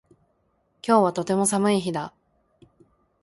今日はとても寒い日だ